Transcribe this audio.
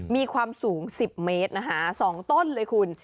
มีความสูง๑๐เมตรนะคะ๒ต้นเลยคุณ